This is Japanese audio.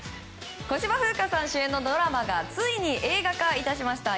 小芝風花さん主演のドラマがついに映画化いたしました。